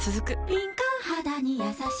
敏感肌にやさしい